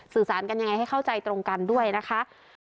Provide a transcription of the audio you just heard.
สื่อสารกันยังไงให้เข้าใจตรงกันด้วยนะคะ